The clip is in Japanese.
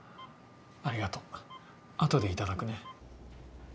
ありがとう後でいただくね。